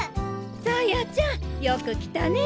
紗耶ちゃんよく来たね。